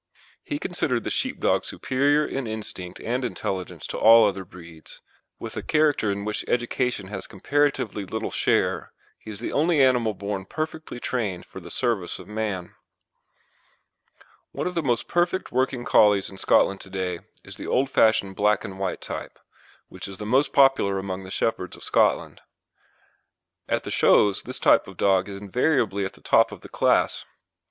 He considered the Sheepdog superior in instinct and intelligence to all other breeds, and that, with a character in which education has comparatively little share, he is the only animal born perfectly trained for the service of man. One of the most perfect working Collies in Scotland to day is the old fashioned black and white type, which is the most popular among the shepherds of Scotland. At the shows this type of dog is invariably at the top of the class.